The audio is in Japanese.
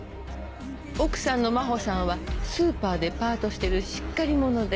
奥さんの真帆さんはスーパーでパートしてるしっかり者で。